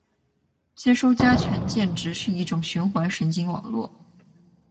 接收加权键值是一种循环神经网络